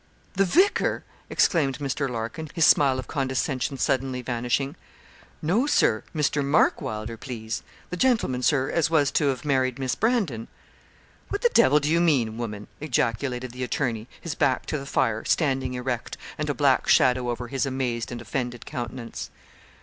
'The vicar!' exclaimed Mr. Larkin, his smile of condescension suddenly vanishing. 'No, Sir; Mr. Mark Wylder, please; the gentleman, Sir, as was to 'av married Miss Brandon.' 'What the devil do you mean, woman?' ejaculated the attorney, his back to the fire, standing erect, and a black shadow over his amazed and offended countenance.